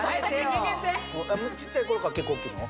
ちっちゃい頃から結構大きいの？